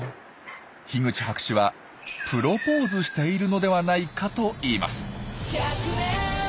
樋口博士はプロポーズしているのではないかといいます。